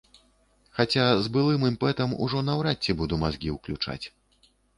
Хаця, з былым імпэтам ужо наўрад ці, буду мазгі ўключаць.